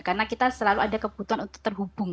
karena kita selalu ada kebutuhan untuk terhubung